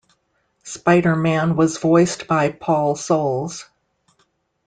Spider-Man was voiced by Paul Soles.